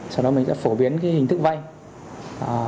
sau đó mình sẽ phổ biến hình thức vây tiền